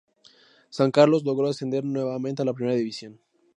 San Carlos logró ascender nuevamente a la Primera División.